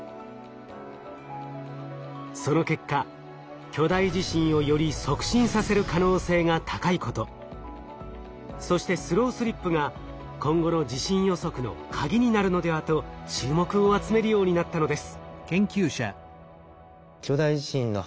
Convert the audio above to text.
その結果巨大地震をより促進させる可能性が高いことそしてスロースリップが今後の地震予測のカギになるのではと注目を集めるようになったのです。